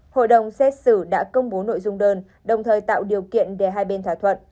hội đồng xét xử đã công bố nội dung đơn đồng thời tạo điều kiện để hai bên thỏa thuận